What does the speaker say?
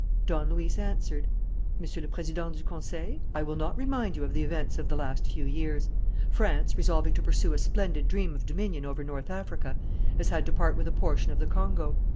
Don Luis answered: "Monsieur le Président du Conseil, I will not remind you of the events of the last few years. France, resolving to pursue a splendid dream of dominion over North Africa, has had to part with a portion of the Congo.